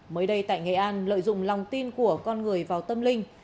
mới đây tại nghệ an lợi dụng lòng tin của con người vào tâm linh